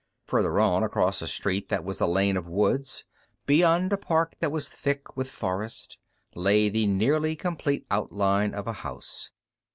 Further on, across a street that was a lane of woods, beyond a park that was thick with forest, lay the nearly complete outline of a house.